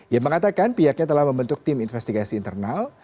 yang mengatakan pihaknya telah membentuk tim investigasi internal